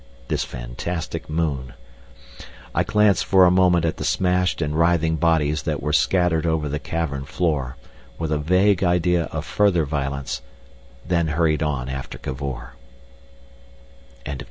This fantastic moon! I glanced for a moment at the smashed and writhing bodies that were scattered over the cavern floor, with a vague idea of further violence, then hurried on after Cavor. XVIII.